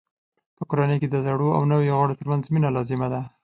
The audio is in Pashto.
په کورنۍ کې د زړو او نویو غړو ترمنځ مینه لازمه ده.